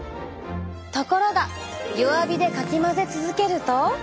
ところが弱火でかき混ぜ続けると。